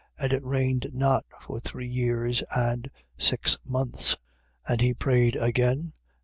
And it rained not for three years and six months. 5:18. And he prayed again.